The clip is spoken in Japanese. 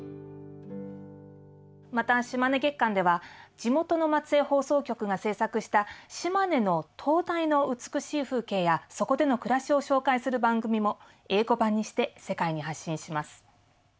また「島根月間」では地元の松江放送局が制作した島根の灯台の美しい風景やそこでの暮らしを紹介する番組も英語版にして世界に発信します。